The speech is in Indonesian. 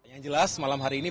yang jelas malam hari ini